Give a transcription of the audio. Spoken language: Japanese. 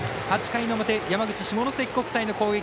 ８回の表、山口の下関国際の攻撃。